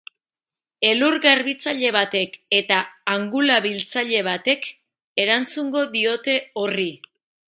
Elur garbitzaile batek eta angula biltzaile batekerantzungo diote horri.